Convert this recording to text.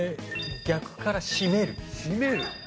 逆から閉める閉める？